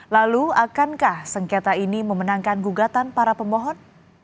lalu akankah sengketa ini memenangkan gugatan para pemohon